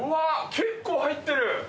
結構入ってる！